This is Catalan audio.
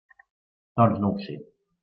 Doncs no ho sé.